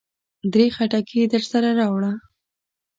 درې خټکي درسره راوړه.